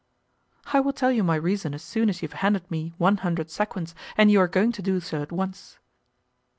"I will tell you my reason as soon as you have handed me one hundred sequins, and you are going to do so at once.